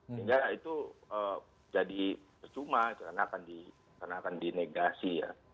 sehingga itu jadi percuma karena akan dinegasi ya